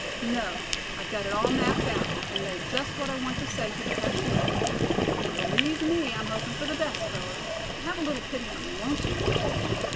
No, I've got it all mapped out, and know just what I want to say to the cashier. And believe me, I'm hopin' for the best, fellers. Have a little pity on me, won't you?"